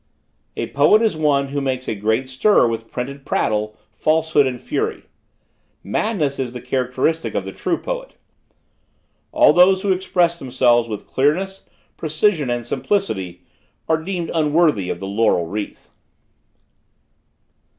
"A poet is one who makes a great stir with printed prattle, falsehood and fury. Madness is the characteristic of the true poet. All those who express themselves, with clearness, precision and simplicity are deemed unworthy of the laurel wreath.